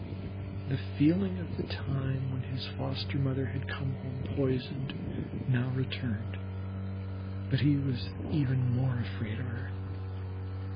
The feeling of the time when his foster mother had come home poisoned, now returned; but he was even more afraid of her.